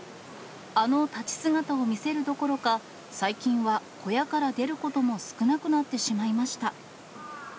あの立ち姿を見せるどころか、最近は小屋から出ることも少なくなってしまいました。